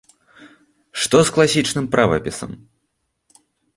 Што з класічным правапісам?